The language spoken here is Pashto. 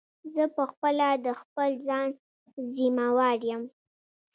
زه په خپله د خپل ځان ضیموار یم.